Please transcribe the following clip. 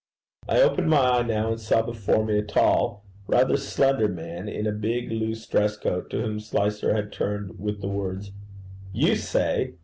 I opened my eyes now, and saw before me a tall rather slender man in a big loose dress coat, to whom Slicer had turned with the words, 'You say!